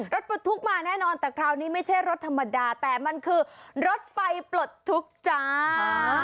รถปลดทุกข์มาแน่นอนแต่คราวนี้ไม่ใช่รถธรรมดาแต่มันคือรถไฟปลดทุกข์จ้า